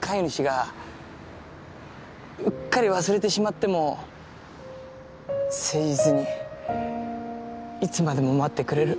飼い主がうっかり忘れてしまっても誠実にいつまでも待ってくれる。